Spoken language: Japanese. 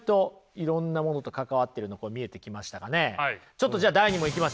ちょっとじゃあ第２問いきますよ。